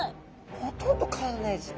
ほとんど変わらないですね。